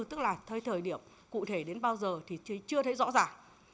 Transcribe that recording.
tức là thời điểm cụ thể đến bao giờ thì chưa thấy rõ ràng